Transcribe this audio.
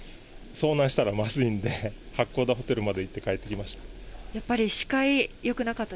遭難したらまずいんで、八甲田ホテルまで行って帰ってきました。